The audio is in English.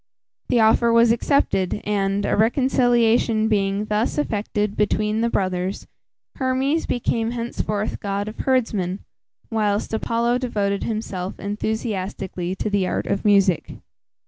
The offer was accepted, and, a reconciliation being thus effected between the brothers, Hermes became henceforth god of herdsmen, whilst Apollo devoted himself enthusiastically to the art of music.